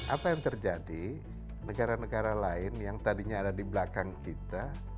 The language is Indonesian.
apa yang terjadi negara negara lain yang tadinya ada di belakang kita